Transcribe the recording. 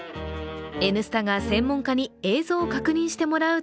「Ｎスタ」が専門家に映像を確認してもらうと